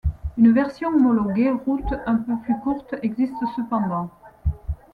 Une version homologuée route un peu plus courte existe cependant.